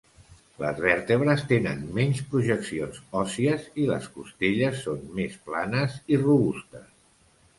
Les vèrtebres tenen menys projeccions òssies i les costelles són més planes i robustes.